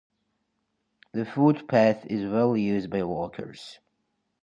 The footpath is well-used by walkers.